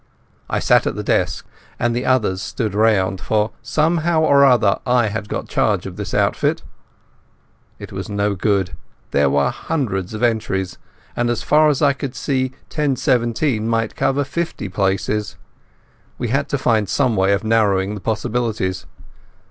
I sat at the desk and the others stood round, for somehow or other I had got charge of this expedition. It was no good. There were hundreds of entries, and so far as I could see 10.17 might cover fifty places. We had to find some way of narrowing the possibilities.